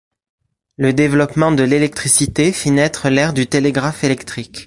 Le développement de l'électricité fit naître l'ère du télégraphe électrique.